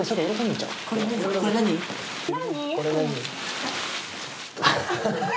何？